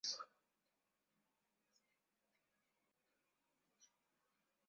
wa uchaguzi ya kutoongeza kodi mpya Clinton alimlaumu kwa kuanguka kwa uchumi wa nchi